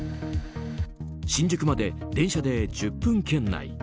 新宿まで電車で１０分圏内